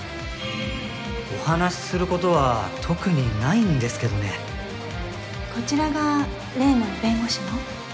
お話しすることは特に無いんこちらが例の弁護士の？